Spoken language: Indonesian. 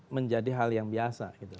menjadi hal yang biasa